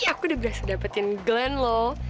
mami aku udah berhasil dapetin glenn loh